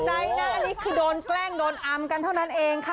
นี่อย่าเพิ่มตกใจนะโดนแกล้งโดนอำเท่านั้นเองค่ะ